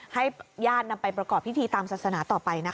ให้ญาตินำไปประกอบพิธีตามศาสนาต่อไปนะคะ